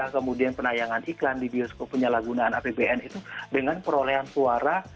kemudian penayangan iklan di bioskop penyalahgunaan apbn itu dengan perolehan suara